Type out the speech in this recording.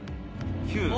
９。